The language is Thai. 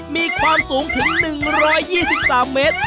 มีความสูงถึงหนึ่งร้อยยี่สิบสามเมตร